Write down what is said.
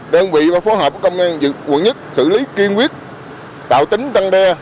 đơn vị và phó hợp công an quận nhất xử lý kiên quyết tạo tính răng đe